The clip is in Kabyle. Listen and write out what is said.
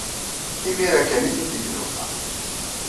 Imir-a kan ay tent-id-nufa.